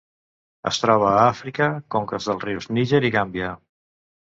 Es troba a Àfrica: conques dels rius Níger i Gàmbia.